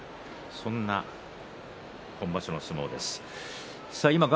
そんな今場所の友風です。